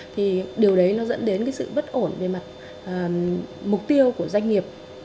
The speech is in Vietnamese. thì điều đấy nó dẫn đến cái sự bất ổn về mặt mục tiêu của doanh nghiệp